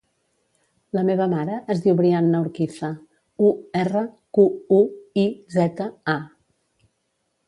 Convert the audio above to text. La meva mare es diu Brianna Urquiza: u, erra, cu, u, i, zeta, a.